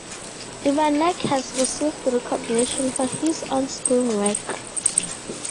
Ivanek has received recognition for his on-screen work.